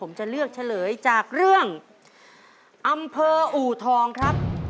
อำเภออูทองครับ